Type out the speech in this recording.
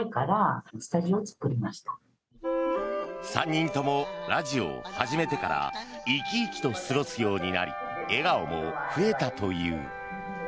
３人ともラジオを始めてから生き生きと過ごすようになり笑顔も増えたという。